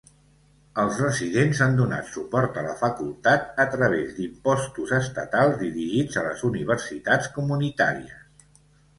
Els residents han donat suport a la facultat a través d'impostos estatals dirigits a les universitats comunitàries.